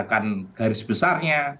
tentang garis besarnya